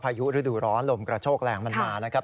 พายุฤดูร้อนลมกระโชกแรงมันมานะครับ